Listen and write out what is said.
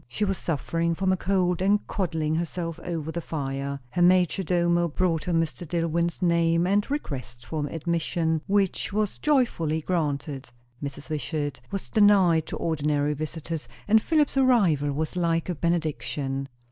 She was suffering from a cold, and coddling herself over the fire. Her major domo brought her Mr. Dillwyn's name and request for admission, which was joyfully granted. Mrs. Wishart was denied to ordinary visitors; and Philip's arrival was like a benediction.